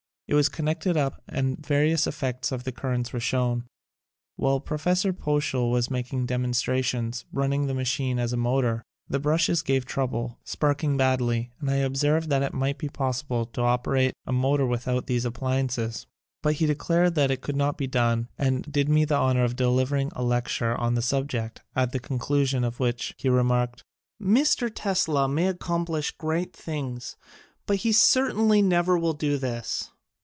It was connected up and various effects of the currents were shown. While Prof. Poeschl was making demonstrations, running theViachine as a motor, the brushes gave troubje, sparking badly, and I observed that it might be pos sible to operate a motor without these appli ances. But he declared that it could not be done and did me the honor of delivering a lecture on the subject, at the conclusion of which he remarked : "Mr. Tesla may ac complish great things, but he certainly never will do this.